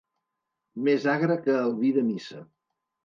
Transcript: Més agre que el vi de missa.